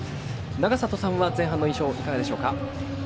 永里さんは、前半の印象いかがでしょうか？